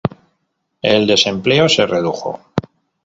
El desempleo se redujo.